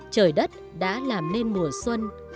trời đất đã làm nên mùa xuân